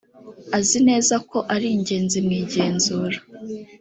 azi neza ko ari ingenzi mu igenzura